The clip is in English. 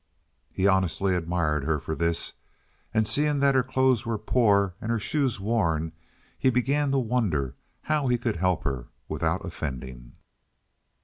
He honestly admired her for this, and, seeing that her clothes were poor and her shoes worn, he began to wonder how he could help her without offending.